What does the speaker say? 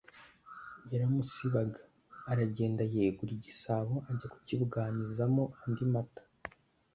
yaramusibaga! aragenda yegura igisabo ajya kukibuganizamo andi mata.